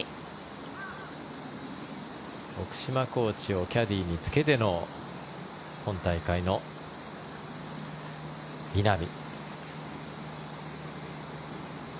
コーチをキャディーにつけての今大会の稲見。